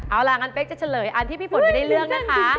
เอาล่ะงั้นเป๊กจะเฉลยอันที่พี่ฝนไม่ได้เลือกนะคะ